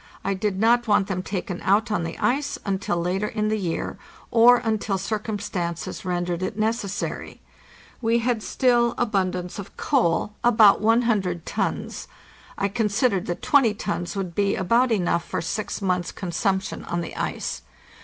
I did not want them taken out on the ice until later in the year, or until circumstances rendered it necessary. We had still abundance of coal—about 100 tons. I considered that 20 tons would be about enough for six months' consump AUGUST 15 TO JANUARY 1, 1896 651 tion on the ice.